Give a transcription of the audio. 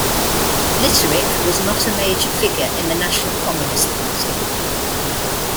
Litterick was not a major figure in the national Communist Party.